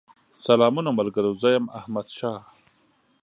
سلامونه ملګرو! زه يم احمدشاه